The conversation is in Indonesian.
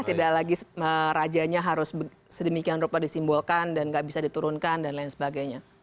tidak lagi rajanya harus sedemikian rupa disimbolkan dan nggak bisa diturunkan dan lain sebagainya